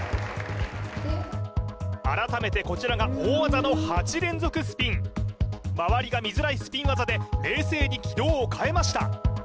改めてこちらが大技の８連続スピン周りが見づらいスピン技で冷静に軌道を変えました